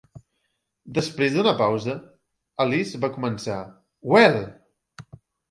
Després d'una pausa, Alice va començar "Well!"